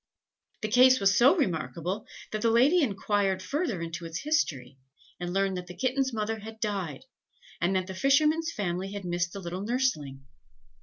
"The case was so remarkable that the lady enquired further into its history, and learned that the kitten's mother had died, and that the fisherman's family had missed the little nurseling.